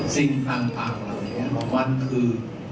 สิ่งต่างเหล่านี้มันคือ